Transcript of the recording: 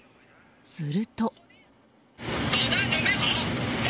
すると。